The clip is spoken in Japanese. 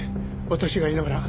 私がいながら。